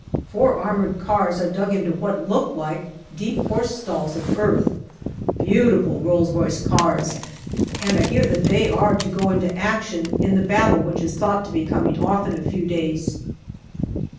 Four armoured cars are dug in to what look like deep horse stalls of earth beautiful Rolls Royce cars, and I hear MAY 113 that they are to go into action in the battle which is thought to be coming off in a few days.